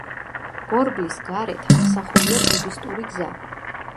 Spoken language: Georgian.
ბორბლის გარეთ ასახულია ბუდისტური გზა.